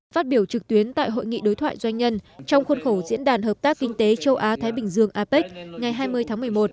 phát biểu trực tuyến tại hội nghị đối thoại doanh nhân trong khuôn khổ diễn đàn hợp tác kinh tế châu á thái bình dương apec ngày hai mươi tháng một mươi một